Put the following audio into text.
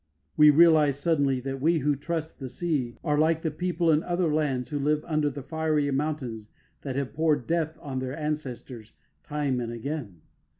We realise suddenly that we who trust the sea are like the people in other lands who live under the fiery mountains that have poured death on their ancestors time and again.